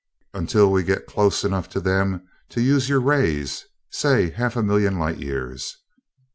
"Until we get close enough to them to use your rays say half a million light years."